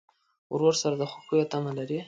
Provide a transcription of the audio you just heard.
ورور سره د خوښیو تمه لرې.